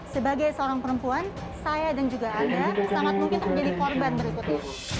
sebagai seorang perempuan saya dan juga anda sangat mungkin terjadi korban berikut ini